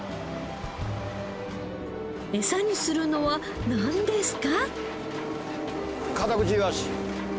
餌にするのはなんですか？